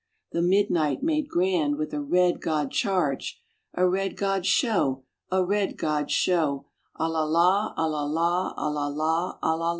The midnight made grand with a red god charge, A red god show, A red god show, "A la la, a la la, a la la, a la la."